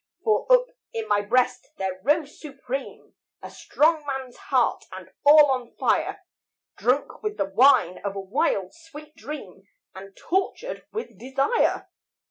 For up in my breast there rose supreme A strong man's heart, and all on fire: Drunk with the wine of a wild, sweet dream, And tortured with desire.